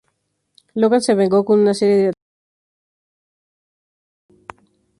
Logan se vengó con una serie de ataques con apenas una docena de guerreros.